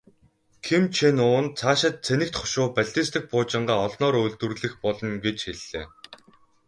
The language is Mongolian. Ким Чен Ун цаашид цэнэгт хошуу, баллистик пуужингаа олноор үйлдвэрлэх болно гэж хэллээ.